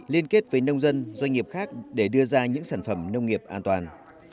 liên kết với nông dân doanh nghiệp khác để đưa ra những sản phẩm nông nghiệp an toàn